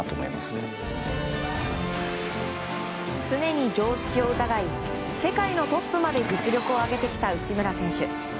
常に常識を疑い世界のトップまで実力を上げてきた内村選手。